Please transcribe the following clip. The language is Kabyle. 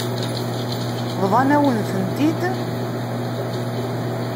Bḍan-awen-tent-id.